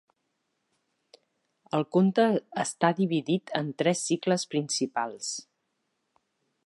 El conte està dividit en tres cicles principals.